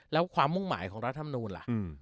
แล้วความมุ่งหมายของรัฐมนูลล่ะ